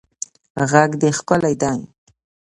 غږ دې ښکلی دی